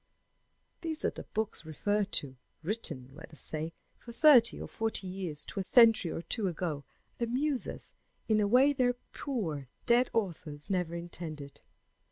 These other books referred to, written, let us say, from thirty or forty years to a century or two ago, amuse us in a way their poor dead authors never intended.